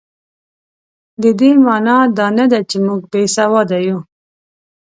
د دې مانا دا نه ده چې موږ بې سواده یو.